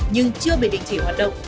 nhưng chưa bị định chỉ hoạt động